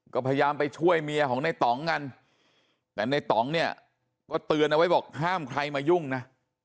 ก็พยายามไปช่วยเมียของในต่องกันแต่ในต่องเนี่ยก็เตือนเอาไว้บอกห้ามใครมายุ่งนะ